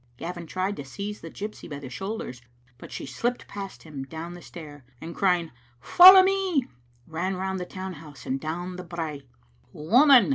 Gavin tried to seize the gypsy by the shoulders, but she slipped past him down the stair, and crying " Follow me!" ran round the town house and down the brae. "Woman!"